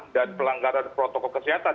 dan pelanggaran protokol kesehatan